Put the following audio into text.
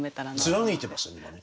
貫いてますよね今ね。